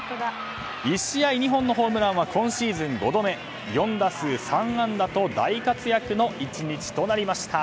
１試合２本のホームランは今シーズン５度目４打数３安打と大活躍の１日となりました。